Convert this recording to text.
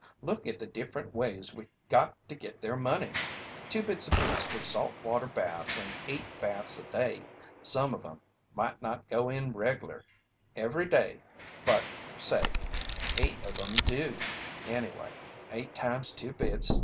Look at the different ways we got to git their money. Two bits apiece for salt water baths and eight baths a day some of 'em might not go in reg'lar every day, but, say eight of 'em do, anyway, eight times two bits is $2.